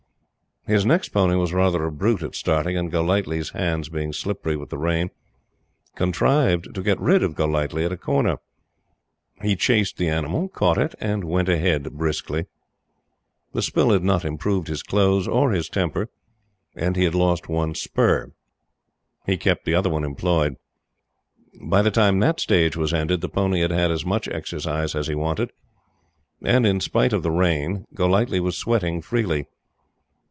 His next pony was rather a brute at starting, and Golightly's hands being slippery with the rain, contrived to get rid of Golightly at a corner. He chased the animal, caught it, and went ahead briskly. The spill had not improved his clothes or his temper, and he had lost one spur. He kept the other one employed. By the time that stage was ended, the pony had had as much exercise as he wanted, and, in spite of the rain, Golightly was sweating freely.